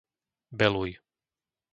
Beluj